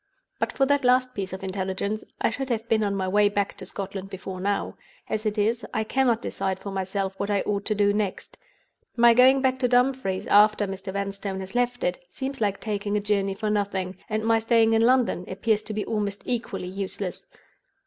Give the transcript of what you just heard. But for that last piece of intelligence, I should have been on my way back to Scotland before now. As it is, I cannot decide for myself what I ought to do next. My going back to Dumfries, after Mr. Vanstone has left it, seems like taking a journey for nothing —and my staying in London appears to be almost equally useless.